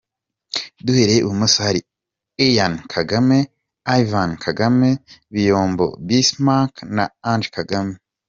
Duhereye ibumoso, Ian Kagame, Ivan Kagame, Biyombo Bismack na Ange Kagame.